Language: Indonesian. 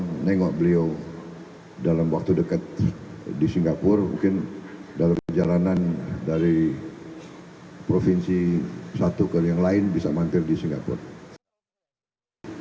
menengok beliau dalam waktu dekat di singapura mungkin dalam perjalanan dari provinsi satu ke yang lain bisa mampir di singapura